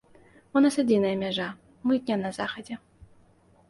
У нас адзіная мяжа, мытня на захадзе.